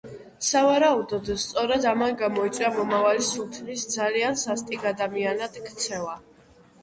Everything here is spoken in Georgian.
სავარაუდოდ, სწორედ ამან გამოიწვია მომავალი სულთნის ძალიან სასტიკ ადამიანად ქცევა.